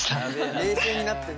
冷静になってね。